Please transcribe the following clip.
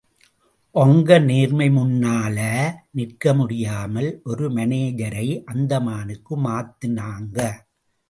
ஒங்க நேர்மை முன்னால நிற்க முடியாமல் ஒரு மானேஜரை... அந்தமானுக்கு மாத்துனாங்க.